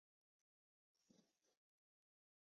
政府驻瓶窑镇新窑村。